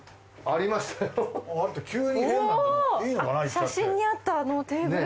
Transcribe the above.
写真にあったテーブル。